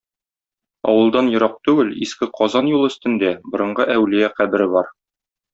Авылдан ерак түгел, иске Казан юлы өстендә, борынгы әүлия кабере бар.